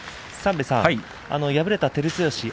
敗れた照強です。